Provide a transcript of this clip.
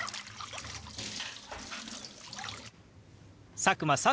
佐久間さん